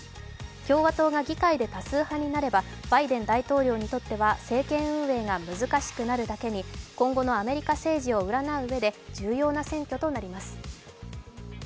共和党が議会で多数派になれば、バイデン大統領にとっては政権運営が難しくなるだけに今後のアメリカ政治を占ううえで重要な選挙となります。